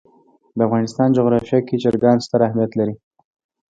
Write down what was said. د افغانستان جغرافیه کې چرګان ستر اهمیت لري.